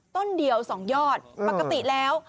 ต้นเดียว๒ยอดปกติแล้ว